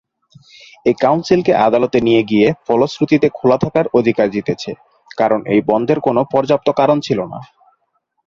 এই কাউন্সিলকে আদালতে নিয়ে গিয়ে ফলশ্রুতিতে খোলা থাকার অধিকার জিতেছে, কারণ এই বন্ধের কোনও পর্যাপ্ত কারণ ছিল না।